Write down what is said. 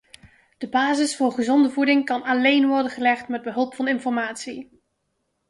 De basis voor gezonde voeding kan alleen worden gelegd met behulp van informatie.